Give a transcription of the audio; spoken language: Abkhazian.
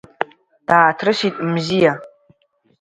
Дааҭрысит Мзиа.